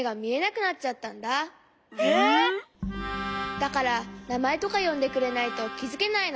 だからなまえとかよんでくれないときづけないの。